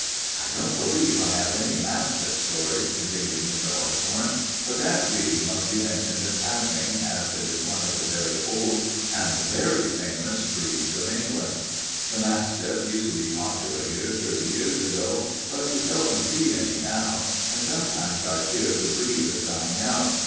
"I don't believe I have any mastiff stories," continued Mr. Hartshorn, "but that breed must be mentioned in passing, as it is one of the very old and very famous breeds of England. The mastiff used to be popular here thirty years ago, but we seldom see any now, and sometimes I fear the breed is dying out.